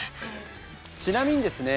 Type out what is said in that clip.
ちなみにですね